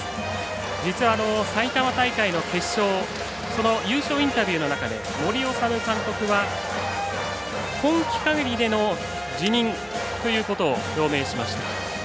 実は埼玉大会の決勝その優勝インタビューの中で森士監督は今季限りでの辞任ということを表明しました。